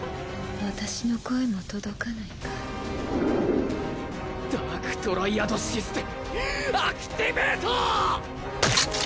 私の声も届かないかダークトライアドシステムアクティベート！